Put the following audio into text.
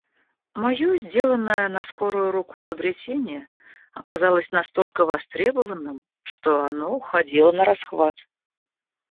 Моё сделанное на скорую руку изобретение оказалось настолько востребованным, что оно уходило нарасхват.